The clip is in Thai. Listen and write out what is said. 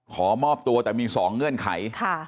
ขอมอบตัวแต่มี๒เงื่อนไข